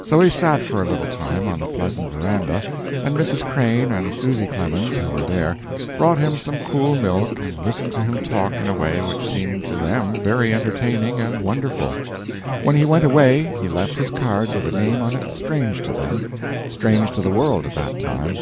So he sat for a little time on the pleasant veranda, and Mrs. Crane and Susy Clemens, who were there, brought him some cool milk and listened to him talk in a way which seemed to them very entertaining and wonderful. When he went away he left his card with a name on it strange to them strange to the world at that time.